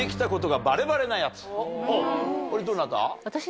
これどなた？